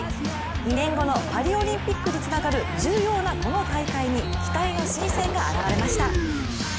２年後のパリオリンピックにつながる、重要なこの大会に期待の新星が現れました。